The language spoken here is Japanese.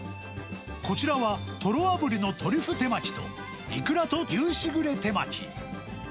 こちらはとろ炙りのトリュフ手巻きと、イクラと牛しぐれ手巻き。